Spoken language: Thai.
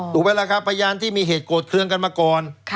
ถูกไหมล่ะครับพยานที่มีเหตุโกรธเครื่องกันมาก่อน